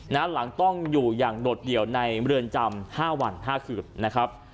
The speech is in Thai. นะฮะหลังต้องอยู่อย่างหลดเดี่ยวในเรือนจำห้าวันห้าคืนนะครับ